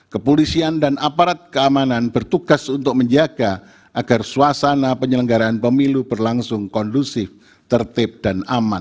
kepolisian dan aparat keamanan bertugas untuk menjaga agar suasana penyelenggaraan pemilu berlangsung kondusif tertib dan aman